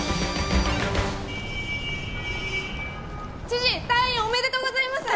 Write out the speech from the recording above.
知事退院おめでとうございます。